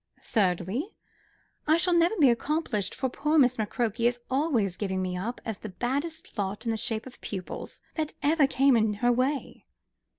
Thirdly, I shall never be accomplished, for poor Miss McCroke is always giving me up as the baddest lot in the shape of pupils that ever came in her way."